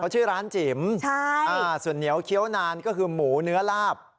ชื่อร้านจิ๋มส่วนเหนียวเคี้ยวนานก็คือหมูเนื้อลาบ